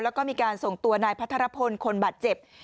แล้วก็มีการส่งตัวนายพัทรพลคนบาดเจ็บ